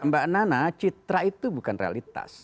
mbak nana citra itu bukan realitas